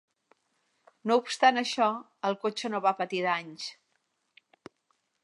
No obstant això, el cotxe no va patir danys.